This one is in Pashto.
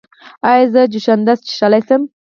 ایا زه جوشاندې څښلی شم؟